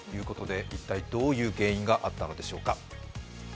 一体どういう原因があったのでしょうか。